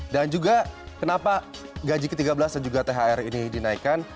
dan juga kenapa gaji ke tiga belas dan juga thr ini dinaikkan